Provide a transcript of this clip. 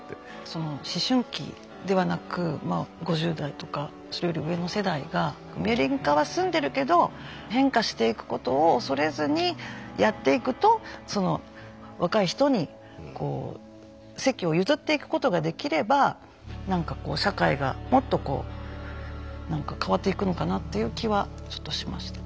その思春期ではなく５０代とかそれより上の世代がミエリン化は済んでるけど変化していくことを恐れずにやっていくと若い人にこう席を譲っていくことができればなんかこう社会がもっとこうなんか変わっていくのかなっていう気はちょっとしました。